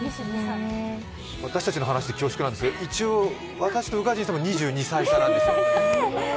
私たちの話で恐縮なんですが、一応、私と宇賀神さんも２２歳差なんです。